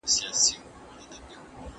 دماغ د بحران پر مهال مبارزه کوي.